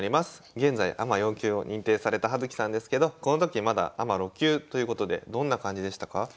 現在アマ４級を認定された葉月さんですけどこの時まだアマ６級ということでどんな感じでしたか？